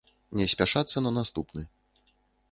Не спяшацца на наступны.